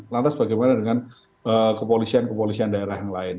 lantas bagaimana dengan kepolisian kepolisian daerah yang lain